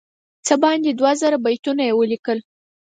څه باندې دوه زره بیتونه یې ولیکل.